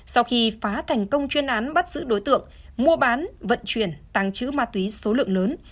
sau khi phá thành công chuyên án bắt giữ đối tượng mua bán vận chuyển tăng trữ ma túy số lượng lớn